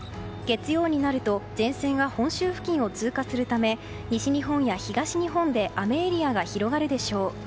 月曜になると前線が本州付近を通過するため西日本や東日本で雨エリアが広がるでしょう。